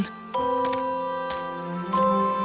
terima kasih banyak tuhan